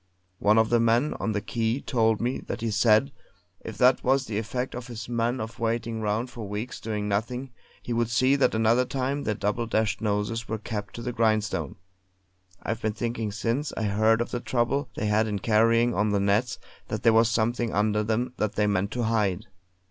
One of the men on the quay told me that he said if that was the effect on his men of waiting round for weeks doing nothing, he would see that another time their double dashed noses were kept to the grindstone. I've been thinking since I heard of the trouble they had in carrying on the nets, that there was something under them that they meant to hide.